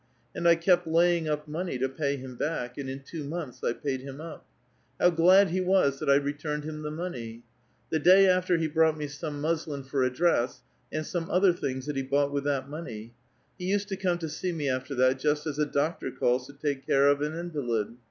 And I kept laying up mone}* to pay him back, and in two months I paid him u[). How glad he was that I returned him the money. The day after he brought me some muslin for a dress, and some other things that he bought with that money. He used to come to see me after that just as a doctor calls to take care of an invalid.